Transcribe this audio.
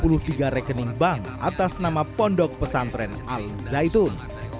telah memblokir tiga puluh tiga rekening bank atas nama pondok pesantren al zaitun